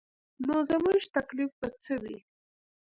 نو زموږ تکلیف به څه وي.